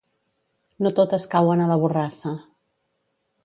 No totes cauen a la borrassa.